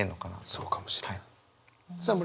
そうかもしれん。